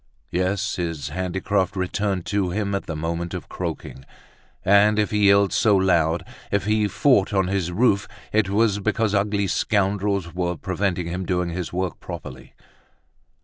Yes, his handicraft returned to him at the moment of croaking; and if he yelled so loud, if he fought on his roof, it was because ugly scoundrels were preventing him doing his work properly.